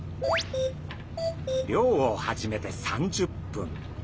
漁を始めて３０分。